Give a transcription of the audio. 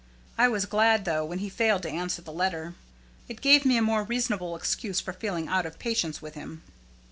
I was glad, though, when he failed to answer the letter. It gave me a more reasonable excuse for feeling out of patience with him.